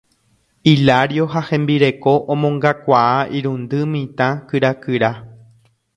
Hilario ha hembireko omongakuaa irundy mitã kyrakyra.